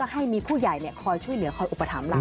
อย่างแรกเลยก็คือการทำบุญเกี่ยวกับเรื่องของพวกการเงินโชคลาภ